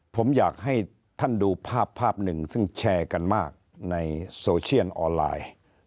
ผมอยากให้ท่านดูภาพภาพหนึ่งซึ่งแชร์กันมากในโซเชียลออนไลน์